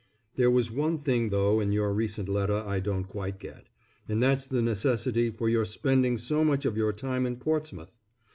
There was one thing though in your recent letter I don't quite get, and that's the necessity for your spending so much of your time in Portsmouth.